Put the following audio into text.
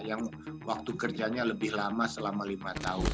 yang waktu kerjanya lebih lama selama lima tahun